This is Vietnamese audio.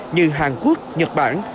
như hàn quốc nhật bản